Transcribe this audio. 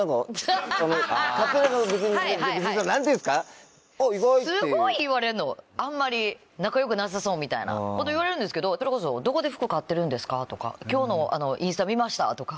すごい言われるのあんまり仲良くなさそうみたいなこと言われるんですけどそれこそどこで服買ってるんですか？とか今日のインスタ見ました！とか。